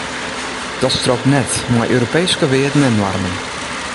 Dat strookt net mei Europeeske noarmen en wearden.